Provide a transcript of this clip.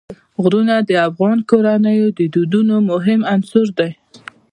غرونه د افغان کورنیو د دودونو مهم عنصر دی.